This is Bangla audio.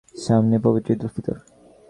সামনে পবিত্র ঈদুল ফিতর।